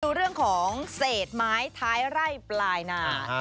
ดูเรื่องของเศษไม้ท้ายไร่ปลายนา